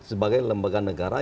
sebagai lembaga negara